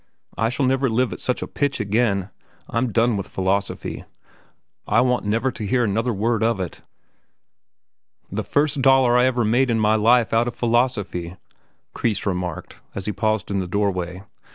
I shall never live at such a pitch again. I'm done with philosophy. I want never to hear another word of it." "The first dollar I ever made in my life out of my philosophy," Kreis remarked, as he paused in the doorway.